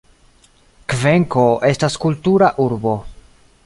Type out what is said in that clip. Kvenko estas kultura urbo.